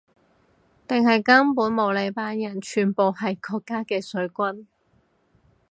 定係根本冇呢班人，全部係國家嘅水軍